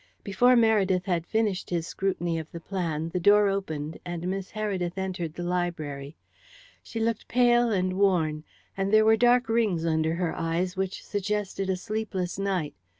Before Merrington had finished his scrutiny of the plan, the door opened, and Miss Heredith entered the library. She looked pale and worn, and there were dark rings under her eyes which suggested a sleepless night.